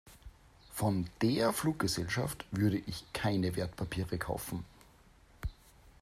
Von der Fluggesellschaft würde ich keine Wertpapiere kaufen.